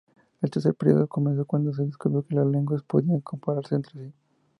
El tercer período comenzó cuando se descubrió que las lenguas podían compararse entre sí.